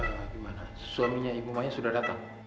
bagaimana suaminya ibu maya sudah datang